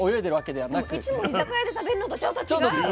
でもいつも居酒屋で食べるのとちょっと違う。